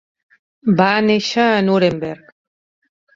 Va néixer a Nuremberg.